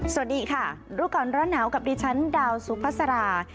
สวัสดีค่ะรูปกรณ์ร้อนหนาวกับดิฉันดาวสุพธิษฐรา